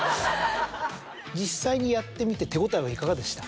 実際にやってみて手応えはいかがでした？